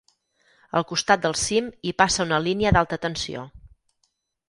Al costat del cim hi passa una línia d'alta tensió.